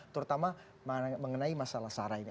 terutama mengenai masalah sara ini